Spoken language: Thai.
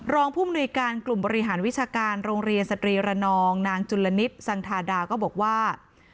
ผู้มนุยการกลุ่มบริหารวิชาการโรงเรียนสตรีระนองนางจุลนิษฐ์สังธาดาก็บอกว่า